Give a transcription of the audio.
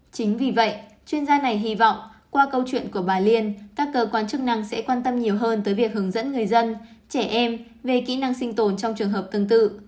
chính vì vậy chuyên gia này hy vọng qua câu chuyện của bà liên các cơ quan chức năng sẽ quan tâm nhiều hơn tới việc hướng dẫn người dân trẻ em về kỹ năng sinh tồn trong trường hợp tương tự